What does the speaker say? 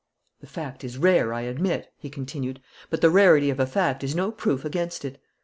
"The fact is rare, I admit," he continued. "But the rarity of a fact is no proof against it.